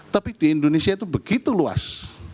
tapi di indonesia itu begitu luas